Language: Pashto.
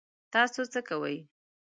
تاسو څه کوئ؟